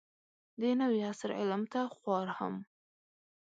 د نوي عصر علم ته خوار هم